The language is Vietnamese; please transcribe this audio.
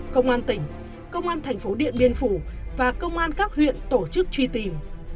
công an tỉnh công an thành phố điện biên phủ và công an các huyện tổ chức truy tìm